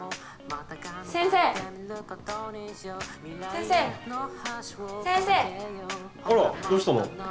あらどうしたの？